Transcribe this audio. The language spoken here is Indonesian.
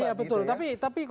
iya betul tapi oke